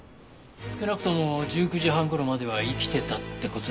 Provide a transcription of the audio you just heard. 少なくとも１９時半頃までは生きてたって事だね。